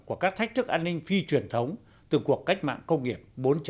của các thách thức an ninh phi truyền thống từ cuộc cách mạng công nghiệp bốn